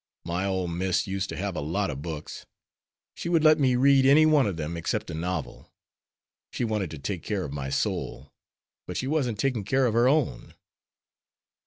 My ole Miss used to have a lot of books. She would let me read any one of them except a novel. She wanted to take care of my soul, but she wasn't taking care of her own."